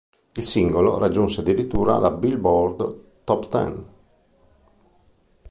Il singolo raggiunse addirittura la Billboard Top Ten.